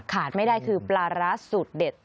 ขาดไม่ได้คือปลาร้าสูตรเด็ด